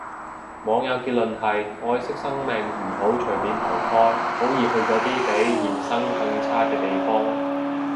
網友結論係，愛惜生命唔好隨便投胎，好易去咗啲比現生更差嘅地方